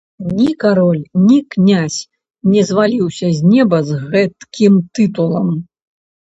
Ні кароль, ні князь, не зваліўся з неба з гэткім тытулам.